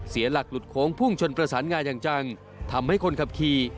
เสียหลักหลุดโค้งพุ่งชนประสานงาอย่างจังทำให้คนขับขี่